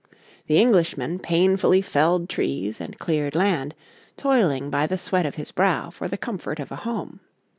The Englishman painfully felled trees and cleared land, toiling by the sweat of his brow for the comfort of a home.